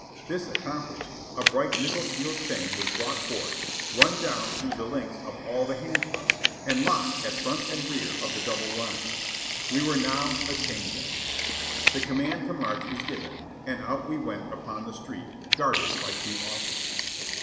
This accomplished, a bright nickel steel chain was brought forth, run down through the links of all the handcuffs, and locked at front and rear of the double line. We were now a chain gang. The command to march was given, and out we went upon the street, guarded by two officers.